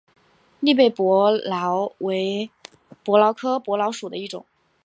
栗背伯劳为伯劳科伯劳属的一种。